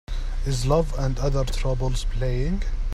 Is Love and Other Troubles playing